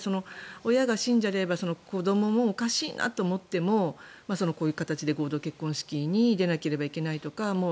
親が信者であれば子どももおかしいなと思ってもこういう形で合同結婚式に出なければいけないとか